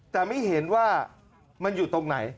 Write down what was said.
แต่ไม่เห็นว่ามันอยู่ตรงไหน